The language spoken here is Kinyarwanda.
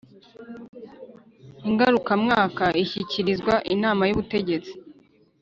Ngarukamwaka ishyikirizwa inama y ubutegetsi